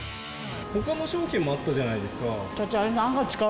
他の商品もあったじゃないですか。